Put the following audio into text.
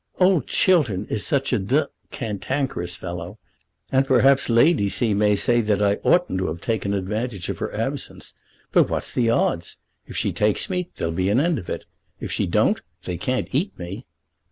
"Old Chiltern is such a d cantankerous fellow, and perhaps Lady C. may say that I oughtn't to have taken advantage of her absence. But, what's the odds? If she takes me there'll be an end of it. If she don't, they can't eat me."